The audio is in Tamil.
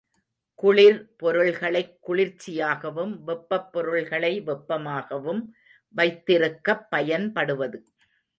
குளிர்பொருள்களைக் குளிர்ச்சியாகவும், வெப்பப் பொருள்களை வெப்பமாகவும் வைத்திருக்கப் பயன்படுவது.